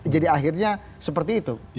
jadi akhirnya seperti itu